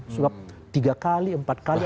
suap tiga kali empat kali